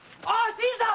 新さん！